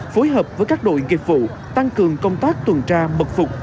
phối hợp với các đội nghiệp vụ tăng cường công tác tuần tra mật phục